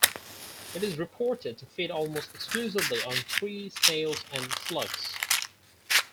It is reported to feed almost exclusively on tree snails and slugs.